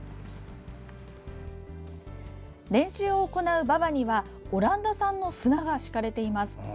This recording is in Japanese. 練習を行う馬場にはオランダ産の砂が敷かれています。